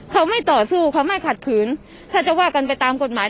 เขาไม่ต่อสู้เขาไม่ขัดขืนถ้าจะว่ากันไปตามกฎหมาย